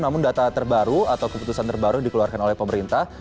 namun data terbaru atau keputusan terbaru yang dikeluarkan oleh pemerintah